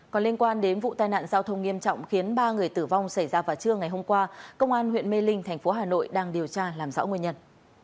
còn liên quan đến vụ tai nạn giao thông nghiêm trọng khiến ba người tử vong xảy ra vào trưa ngày hôm qua công an huyện mê linh thành phố hà nội đang điều tra làm rõ nguyên nhân